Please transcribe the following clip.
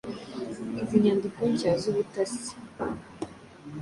Izi nyandiko nshya z'ubutasi